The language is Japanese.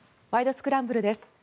スクランブル」です。